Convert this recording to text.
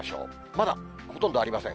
まだほとんどありません。